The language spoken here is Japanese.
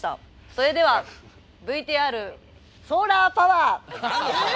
それではＶＴＲソーラーパワー！え！？